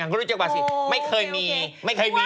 ไม่เคยมี